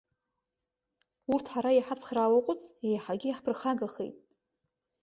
Урҭ ҳара иҳацхраа уаҟәыҵ, еиҳагьы иаҳԥырхагахеит.